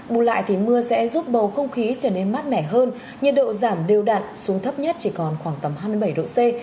bù lại thì mưa sẽ giúp bầu không khí trở nên mát mẻ hơn nhiệt độ giảm đều đạt xuống thấp nhất chỉ còn khoảng tầm hai mươi bảy độ c